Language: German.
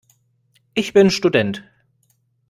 Ich bin Student.